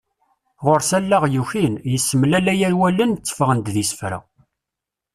Ɣur-s allaɣ yukin, yessemlalay awalen tteffɣen-d d isefra.